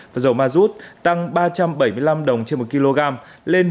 và dầu ma rút tăng ba trăm bảy mươi năm đồng trên một kg lên một mươi sáu sáu trăm một mươi ba đồng một kg